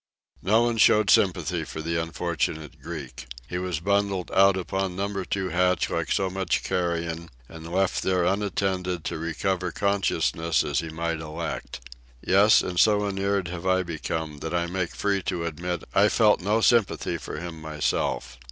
Nobody showed sympathy for the unfortunate Greek. He was bundled out upon Number Two hatch like so much carrion and left there unattended, to recover consciousness as he might elect. Yes, and so inured have I become that I make free to admit I felt no sympathy for him myself.